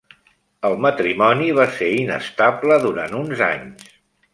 El matrimoni va ser inestable durant uns anys.